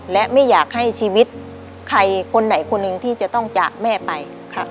และไม่อยากให้ชีวิตใครคนไหนคนหนึ่งที่จะต้องจากแม่ไปค่ะ